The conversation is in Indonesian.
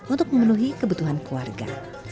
untuk memenuhi kebutuhan keluarga